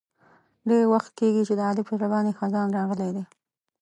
ډېر وخت کېږي چې د علي په زړه باندې خزان راغلی دی.